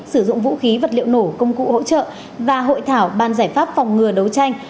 sử dụng vũ khí vật liệu nổ công cụ hỗ trợ và hội thảo ban giải pháp phòng ngừa đấu tranh